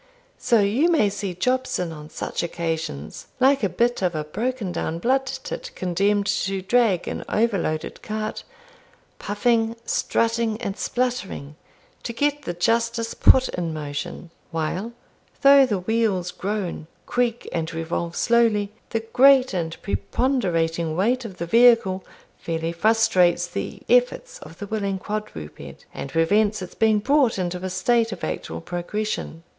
So you may see Jobson on such occasions, like a bit of a broken down blood tit condemned to drag an overloaded cart, puffing, strutting, and spluttering, to get the Justice put in motion, while, though the wheels groan, creak, and revolve slowly, the great and preponderating weight of the vehicle fairly frustrates the efforts of the willing quadruped, and prevents its being brought into a state of actual progression.